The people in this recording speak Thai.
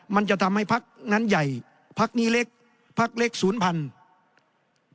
มันจะทำให้พักนั้นใหญ่พักนี้เล็กพักเล็กศูนย์พันธุ์